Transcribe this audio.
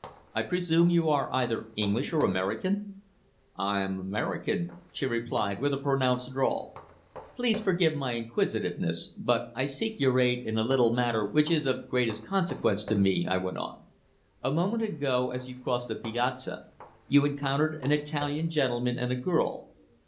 "I presume you are either English or American?" "I am American," she replied with a pronounced drawl. "Please forgive my inquisitiveness, but I seek your aid in a little matter which is of greatest consequence to me," I went on. "A moment ago, as you crossed the Piazza, you encountered an Italian gentleman and a girl.